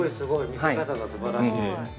見せ方がすばらしい。